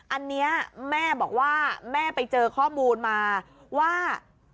อันนี้แม่บอกว่าแม่ไปเจอข้อมูลมาว่า